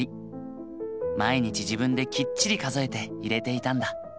毎日自分できっちり数えていれていたんだ。